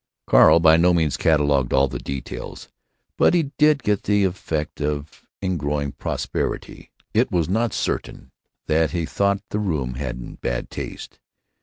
Carl by no means catalogued all the details, but he did get the effect of ingrowing propriety. It is not certain that he thought the room in bad taste.